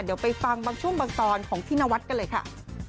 เดี๋ยวไปฟังบางช่วงบางตอนของพี่นวัดกันเลยค่ะ